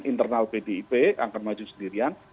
internal pdip akan maju sendirian